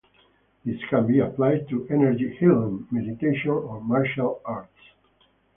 This can be applied to energy-healing, meditation, or martial arts.